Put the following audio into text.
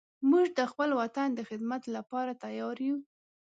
موږ د خپل وطن د خدمت لپاره تیار یو